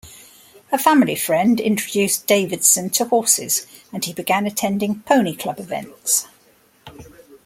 A family friend introduced Davidson to horses, and he began attending Pony Club events.